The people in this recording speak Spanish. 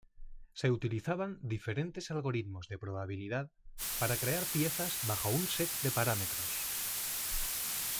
Se utilizaban diferentes algoritmos de probabilidad para crear piezas bajo un set de parámetros.